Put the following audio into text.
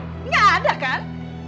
nggak ada kan